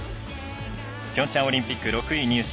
ピョンチャンオリンピック６位入賞。